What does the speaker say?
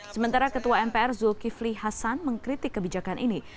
sementara ketua mpr zulkifli hasan mengkritik kebijakan ini